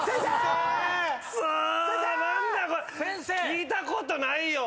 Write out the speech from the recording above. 聞いたことないよ！